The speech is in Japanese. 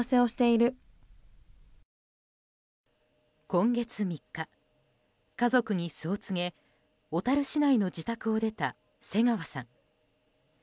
今月３日、家族にそう告げ小樽市内の自宅を出た瀬川さん。